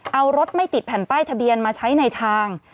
เอารถไม่ติดแผ่นป้ายทะเบียนมาใช้ในทาง